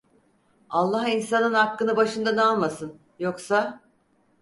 Allah insanın aklını başından almasın, yoksa!